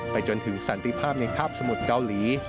จนถึงสันติภาพในภาพสมุทรเกาหลี